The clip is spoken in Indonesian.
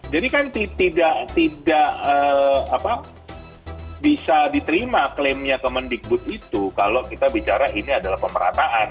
jadi kan tidak bisa diterima klaimnya kemendikbud itu kalau kita bicara ini adalah pemerataan